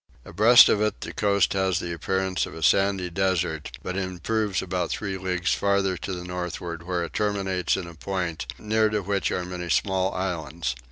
Abreast of it the coast has the appearance of a sandy desert, but improves about three leagues farther to the northward where it terminates in a point, near to which are many small islands.